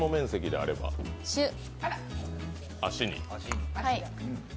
足に。